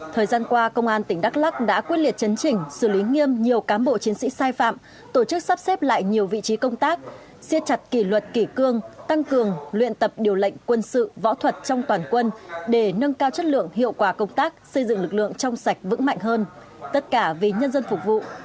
thời gian qua công an tỉnh đắk lắc đã quyết liệt chấn chỉnh xử lý nghiêm nhiều cán bộ chiến sĩ sai phạm tổ chức sắp xếp lại nhiều vị trí công tác xiết chặt kỷ luật kỷ cương tăng cường luyện tập điều lệnh quân sự võ thuật trong toàn quân để nâng cao chất lượng hiệu quả công tác xây dựng lực lượng trong sạch vững mạnh hơn tất cả vì nhân dân phục vụ